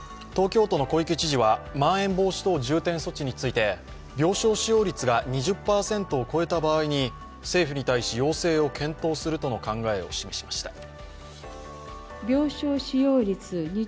東京都の小池知事は、まん延防止等重点措置について病床使用率が２０％を超えた場合に政府に対し要請を検討するとの考えを示しました。